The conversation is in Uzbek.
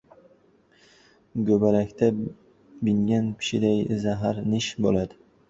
Go‘balakda bingak pishiday zahar nish bo‘ladi.